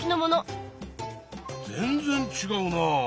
全然ちがうなあ！